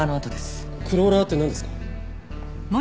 クローラーってなんですか？